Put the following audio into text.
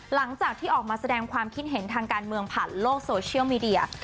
หลังจากที่ออกมาแสดงความคิดเห็นทางการเมืองผ่านโลกโซเชียลมีเดีย